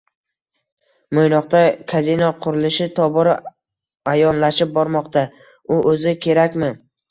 Mo‘ynoqda kazino qurilishi tobora ayonlashib bormoqda: u o‘zi kerakmi?